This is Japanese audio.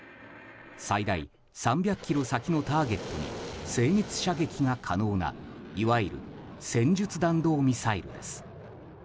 最大３００ｋｍ先のターゲットに精密射撃が可能ないわゆる戦術弾道ミサイルです。